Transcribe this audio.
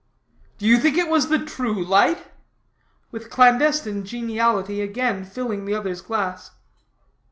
"Do you think it was the true light?" with clandestine geniality again filling the other's glass.